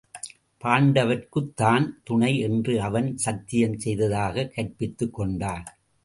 பாண்டவர்க்குத் தான் துணை என்று அவன் சத்தியம் செய்ததாகக் கற்பித்துக் கொண்டான்.